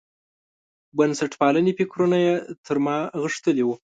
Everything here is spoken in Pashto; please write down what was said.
بنسټپالنې فکرونه یې تر ما غښتلي وو.